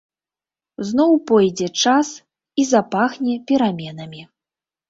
Зноў пойдзе час і запахне пераменамі.